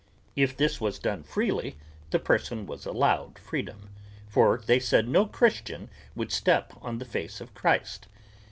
If this was done freely the person was allowed freedom, for they said no Christian would step on the face of Christ.